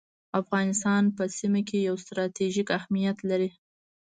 افغانستان په سیمه کي یو ستراتیژیک اهمیت لري